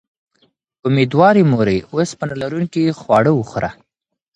اميدوارې مورې، اوسپنه لرونکي خواړه وخوره